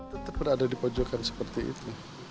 tetap berada di pojokan seperti itu